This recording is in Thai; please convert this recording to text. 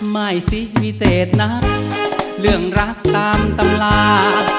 ไม่สิวิเศษนะเรื่องรักตามตำรา